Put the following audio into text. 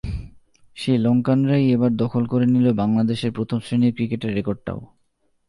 সেই লঙ্কানরাই এবার দখল করে নিল বাংলাদেশের প্রথম শ্রেণীর ক্রিকেটের রেকর্ডটাও।